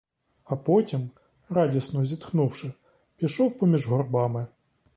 А потім, радісно зітхнувши, пішов поміж горбами.